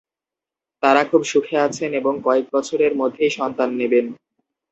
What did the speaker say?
তারা খুব সুখে আছেন এবং কয়েক বছরের মধ্যেই সন্তান নেবেন।